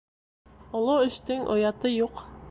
Оло эштең ояты юҡ.